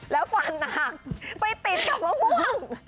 แล้วฟันไปติดกับมะม่วง